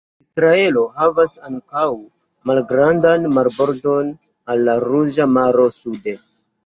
Israelo havas ankaŭ malgrandan marbordon al la Ruĝa Maro sude.